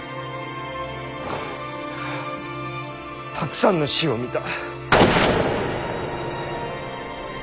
たくさんの死を見た。